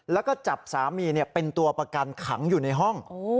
แล้วก็จับสามีเป็นตัวประกันขังอยู่ในห้อง